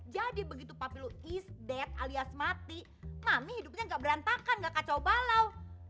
jadi begitu papi lo is dead alias mati mami hidupnya gak berantakan gak kacau balau